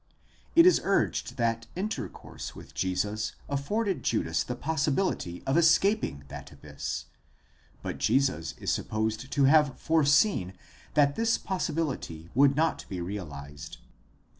It is urged that intercourse with Jesus afforded Judas the possibility of escaping that abyss: but Jesus is supposed to have foreseen that this possibility would not be realized.